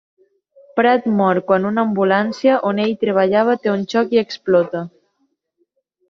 Prat mor quan una ambulància on ell treballava té un xoc i explota.